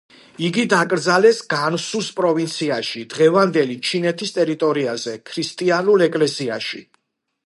იგი დაკრძალეს განსუს პროვინციაში, დღევანდელი ჩინეთის ტერიტორიაზე, ქრისტიანულ ეკლესიაში.